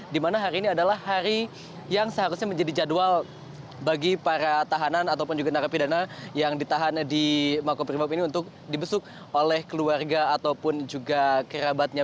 dimana hari ini adalah hari yang seharusnya menjadi jadwal bagi para tahanan ataupun juga narapidana yang ditahan di makobrimob ini untuk dibesuk oleh keluarga ataupun juga kerabatnya